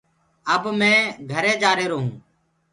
اب مي گھري جآهيرونٚ